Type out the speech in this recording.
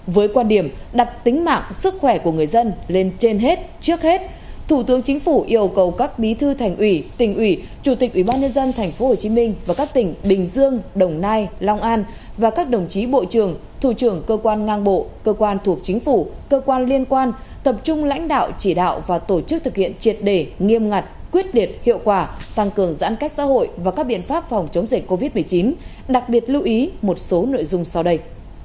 với quan điểm đặt tính mạng sức khỏe của người dân lên trên hết trước hết thủ tướng chính phủ yêu cầu các bí thư thành ủy tỉnh ủy chủ tịch ubnd tp hcm và các tỉnh bình dương đồng nai long an và các đồng chí bộ trưởng thủ trưởng cơ quan ngang bộ cơ quan thuộc chính phủ cơ quan liên quan tập trung lãnh đạo chỉ đạo và tổ chức thực hiện triệt đề nghiêm ngặt quyết liệt hiệu quả tăng cường giãn cách xã hội và các biện pháp phòng chống dịch covid một mươi chín đặc biệt lưu ý một số nội dung sau đây